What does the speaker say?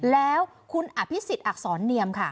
แล้วคุณอภิษฎอักษรเนียมค่ะ